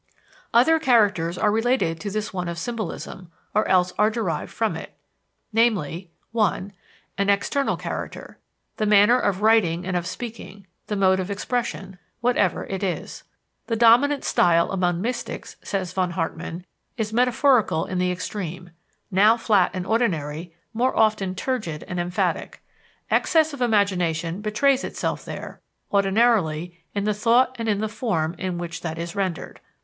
Other characters are related to this one of symbolism, or else are derived from it, viz.: (1) An external character: the manner of writing and of speaking, the mode of expression, whatever it is. "The dominant style among mystics," says von Hartmann, "is metaphorical in the extreme now flat and ordinary, more often turgid and emphatic. Excess of imagination betrays itself there, ordinarily, in the thought and in the form in which that is rendered....